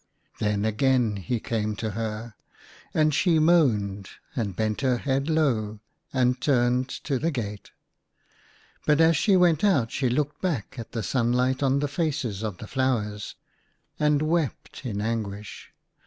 Then again he came to her. And she moaned, and bent her head low, and turned to the gate. But as she went out she looked back at the sunlight on the faces of the flowers, and wept in anguish.